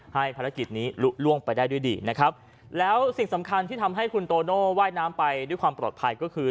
ภารกิจนี้ลุล่วงไปได้ด้วยดีนะครับแล้วสิ่งสำคัญที่ทำให้คุณโตโน่ว่ายน้ำไปด้วยความปลอดภัยก็คือ